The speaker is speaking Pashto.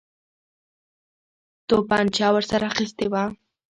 توپنچه ورسره اخیستې وه.